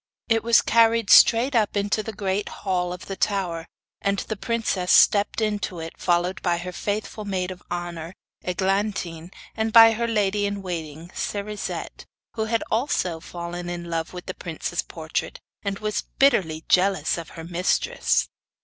It was carried straight up into the great hall of the tower, and the princess stepped into it, followed by her faithful maid of honour, Eglantine, and by her lady in waiting Cerisette, who also had fallen in love with the prince's portrait and was bitterly jealous of her mistress.